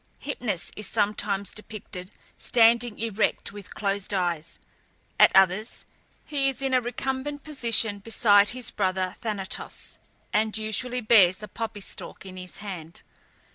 Hypnus is sometimes depicted standing erect with closed eyes; at others he is in a recumbent position beside his brother Thanatos, and usually bears a poppy stalk in his hand.